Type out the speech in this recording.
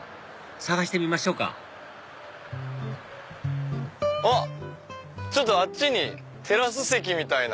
探してみましょうかあっあっちにテラス席みたいな。